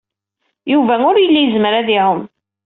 Yuba ur yelli yezmer ad iɛum.